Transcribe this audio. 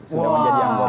sudah menjadi anggota